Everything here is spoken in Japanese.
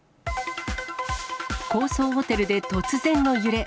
高層ホテルで突然の揺れ。